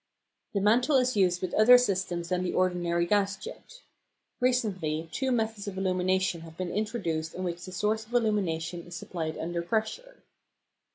The mantle is used with other systems than the ordinary gas jet. Recently two methods of illumination have been introduced in which the source of illumination is supplied under pressure.